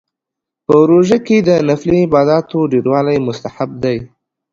په روژه کې د نفلي عباداتو ډیروالی مستحب دی